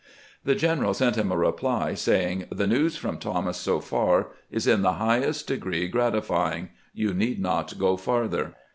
The general sent him a reply, saying: "The news from Thomas so far is in the highest degree grati fying. You need not go farther."